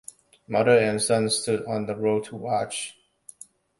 Mother and son stood on the road to watch.